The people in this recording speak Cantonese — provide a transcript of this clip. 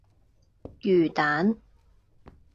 魚蛋